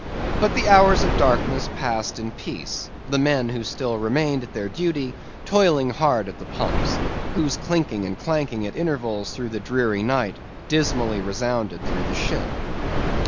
But the hours of darkness passed in peace; the men who still remained at their duty toiling hard at the pumps, whose clinking and clanking at intervals through the dreary night dismally resounded through the ship.